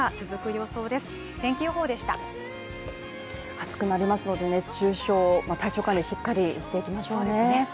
暑くなりますので熱中症体調管理、しっかりしていきましょうね。